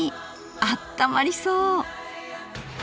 あったまりそう！